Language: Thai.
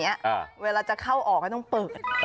มีมุ้งอย่างนี้เวลาจะเข้าออกก็ต้องเปิด